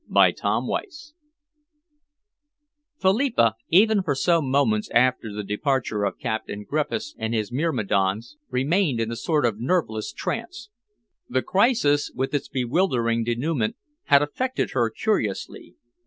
CHAPTER XXIV Philippa, even for some moments after the departure of Captain Griffiths and his myrmidons, remained in a sort of nerveless trance. The crisis, with its bewildering denouement, had affected her curiously.